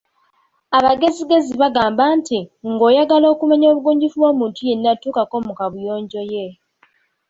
Abagezigezi bagamba nti, ng‘oyagala okumanya obugunjufu bw‘omuntu yenna tuukako mu kabuyonjo ye.